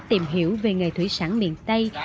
để tìm hiểu về nghề thủy sản miền tây